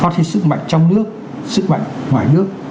có thể sức mạnh trong nước sức mạnh ngoài nước